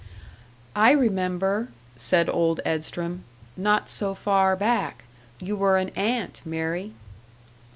"I remember," said Old Edstrom, "not so far back, you were an ant, Mary."